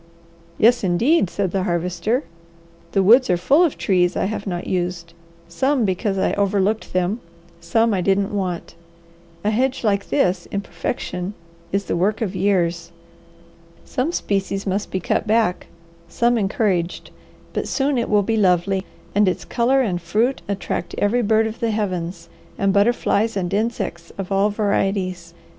"Yes indeed!" said the Harvester. "The woods are full of trees I have not used; some because I overlooked them, some I didn't want. A hedge like this, in perfection, is the work of years. Some species must be cut back, some encouraged, but soon it will be lovely, and its colour and fruit attract every bird of the heavens and butterflies and insects of all varieties.